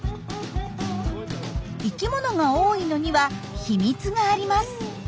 生きものが多いのには秘密があります。